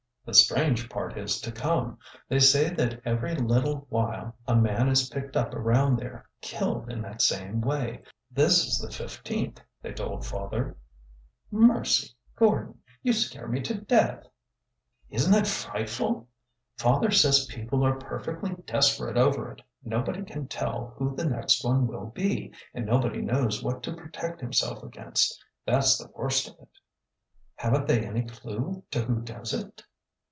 " The strange part is to come. They say that every little while a man is picked up around there, killed in that same way. This is the fifteenth, they told father." " Mercy, Gordon ! You scare me to death !"" Is n't it frightful ! Father says people are perfectly desperate over it. Nobody can tell who the next one will be, and nobody knows what to protect himself against. That 's the worst of it." " Have n't they any clue to who does it